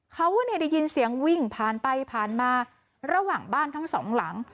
เขาได้ยินเสียงวิ่งผ่านไปผ่านมาระหว่างบ้านทั้งสองหลัง